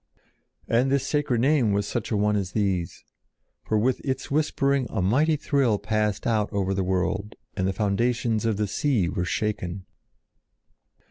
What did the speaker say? And this sacred name was such a one as these; for with its whispering a mighty thrill passed out over the world and the foundations of the sea were shaken.